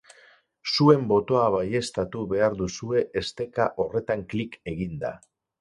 Zuen botoa baieztatu behar duzue esteka horretan klik eginda.